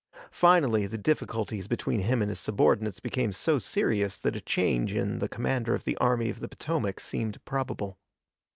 Finally the difficulties between him and his subordinates became so serious that a change in the commander of the Army of the Potomac seemed probable.